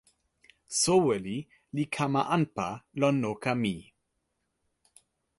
soweli li kama anpa lon noka mi.